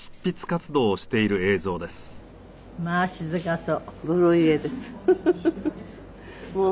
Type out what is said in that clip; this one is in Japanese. まあ静かそう。